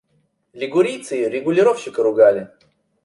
Лигурийцы регулировщика ругали.